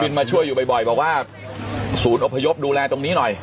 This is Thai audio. มาช่วยอยู่บ่อยบอกว่าศูนย์อพยพดูแลตรงนี้หน่อย